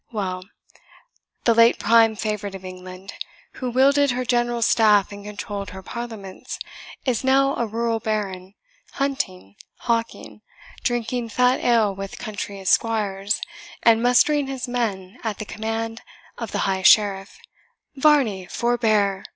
Well; the late prime favourite of England, who wielded her general's staff and controlled her parliaments, is now a rural baron, hunting, hawking, drinking fat ale with country esquires, and mustering his men at the command of the high sheriff " "Varney, forbear!"